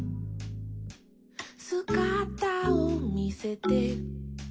「すがたをみせて」